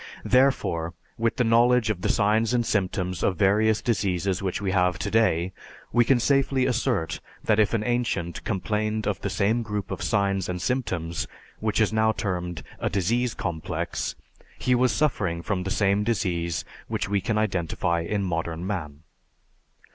Therefore, with the knowledge of the signs and symptoms of various diseases which we have today, we can safely assert that if an ancient complained of the same group of signs and symptoms (which is now termed a "disease complex"), he was suffering from the same disease which we can identify in modern man.